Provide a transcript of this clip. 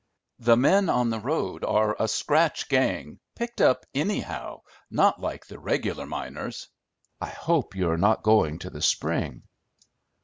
"The men on the road are a scratch gang, picked up anyhow, not like the regular miners. I hope you are not going to the spring!"